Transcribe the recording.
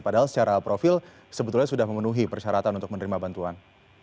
padahal secara profil sebetulnya sudah memenuhi persyaratan untuk menerima bantuan